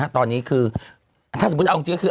ตอนนี้คือ